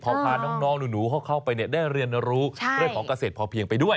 พอพาน้องหนูเข้าไปได้เรียนรู้เรื่องของเกษตรพอเพียงไปด้วย